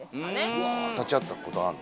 うわ立ち会ったことあるの？